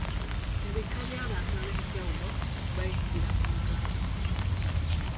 Ebika by'abantu ab'enjawulo bayingira mu Uganda.